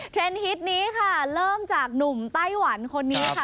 ฮิตนี้ค่ะเริ่มจากหนุ่มไต้หวันคนนี้ค่ะ